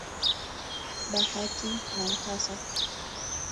bahati na mkasa.